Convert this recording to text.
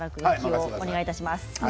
お願いします。